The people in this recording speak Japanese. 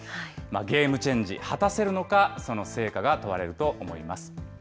ゲームチェンジ、果たせるのか、その成果が問われると思います。